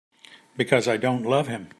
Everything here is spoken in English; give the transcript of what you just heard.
Because I don't love him.